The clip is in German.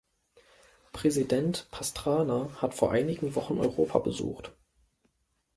Präsident Pastrana hat vor einigen Wochen Europa besucht.